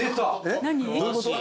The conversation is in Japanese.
何？